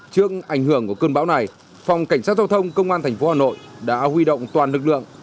trước ảnh hưởng của cơn bão này phòng cảnh sát giao thông công an tp hà nội đã huy động toàn lực lượng